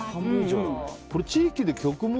地域で曲も。